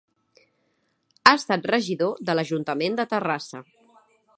Ha estat regidor de l'ajuntament de Terrassa.